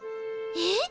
えっ！？